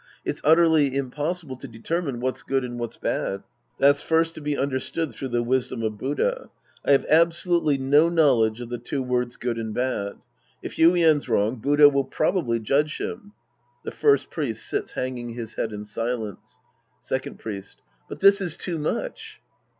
It's utterly impossible to determine what's good and what's bad. That's first to be understood through the wisdom of Buddha. I have absolutely no knowledge of the two words " good " and " bad ". If Yuien's wrong, Buddha will probably judge him. {The First Priest sits hanging his head in silence^ Second Priest. But this is too much.